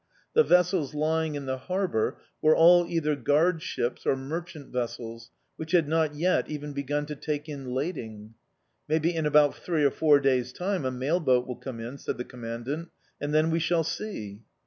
The vessels lying in the harbour were all either guard ships or merchant vessels which had not yet even begun to take in lading. "Maybe in about three or four days' time a mail boat will come in," said the Commandant, "and then we shall see."